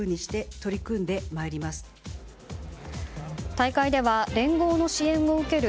大会では、連合の支援を受ける